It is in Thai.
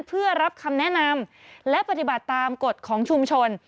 เพื่อรับคำแนะนำและปฏิบัติตามกฎของชุมชน